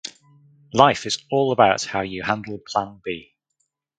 Life is all about how you handle plan B.